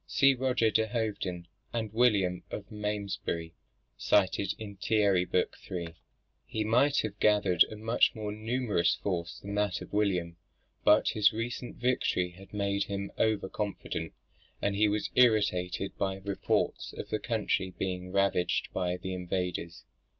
[See Roger de Hoveden and William of Malmesbury, cited in Thierry, book iii.] He might have gathered a much more numerous force than that of William, but his recent victory had made, him over confident, and he was irritated by the reports of the country being ravaged by the invaders.